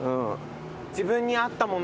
自分に合ったもの。